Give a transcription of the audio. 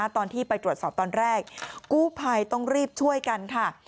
ตอนที่ไปตรวจสอบตอนแรกกู้ภัยต้องรีบช่วยกันค่ะ